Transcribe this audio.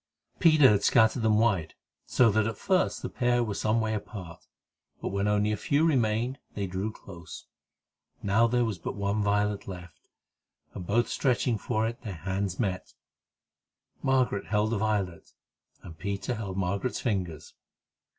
Peter had scattered them wide, so that at first the pair were some way apart, but when only a few remained, they drew close. Now there was but one violet left, and, both stretching for it, their hands met. Margaret held the violet, and Peter held Margaret's fingers.